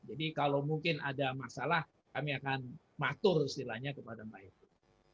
jadi kalau mungkin ada masalah kami akan matur istilahnya kepada mbak evie